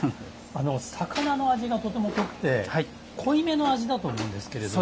魚の味がとても濃くて濃いめの味だと思うんですけれども。